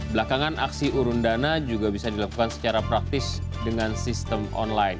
belakangan aksi urundana juga bisa dilakukan secara praktis dengan sistem online